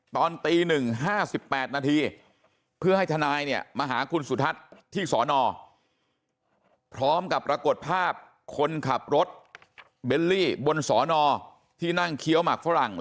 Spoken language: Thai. ตอนตี๑๕๘นาทีเพื่อให้ทนายเนี่ยมาหาคุณสุทัศน์ที่สอนอพร้อมกับปรากฏภาพคนขับรถเบลลี่บนสอนอที่นั่งเคี้ยวหมักฝรั่ง